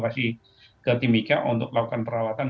kemudian kita bisa ke timika untuk melakukan perawatan